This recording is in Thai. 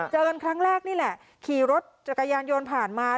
เจอกันครั้งแรกนี่แหละขี่รถจักรยานยนต์ผ่านมา